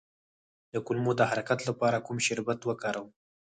د کولمو د حرکت لپاره کوم شربت وکاروم؟